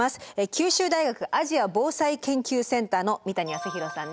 九州大学アジア防災研究センターの三谷泰浩さんです。